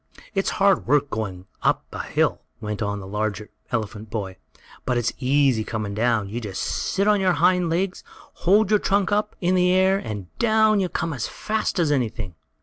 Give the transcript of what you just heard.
"It's hard work going up hill," went on the larger elephant boy, "but it's easy coming down. You just sit on your hind legs, hold your trunk up in the air and down you come as fast as anything!"